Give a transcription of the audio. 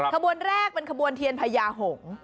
ขบวนแรกเป็นขบวนเทียนพญาหงษ์